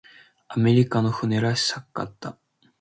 アメリカの船らしかった。